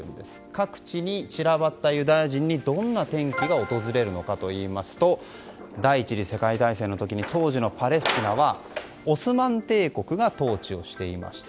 各地に散らばったユダヤ人にどんな転機が訪れるのかというと第１次世界大戦の時当時のパレスチナはオスマン帝国が統治をしていました。